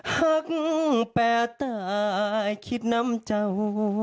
หักแป้ตายคิดน้ำเจ้า